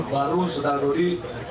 baru saudara dodi